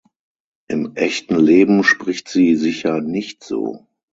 Im echten Leben spricht sie sicher nicht so.